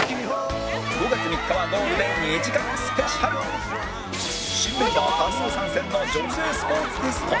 ５月３日はゴールデン２時間スペシャル新メンバー多数参戦の女性スポーツテスト